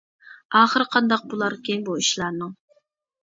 ئاخىرى قانداق بۇلاركىن بۇ ئىشلارنىڭ؟ .